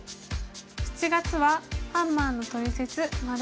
７月は「ハンマーのトリセツ④」。